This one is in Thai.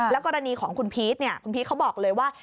แล้วก็กรณีของคุณพีชคุณพีชเขาบอกเลยว่า